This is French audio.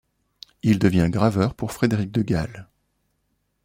Il devient graveur pour Frédéric de Galles.